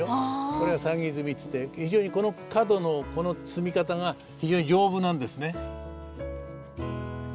これが算木積みっていって非常にこの角のこの積み方が非常に丈夫なんですね。